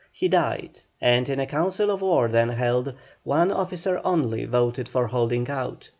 He died, and in a council of war then held, one officer only voted for holding out.